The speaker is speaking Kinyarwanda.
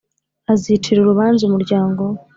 azacira urubanza umuryango we,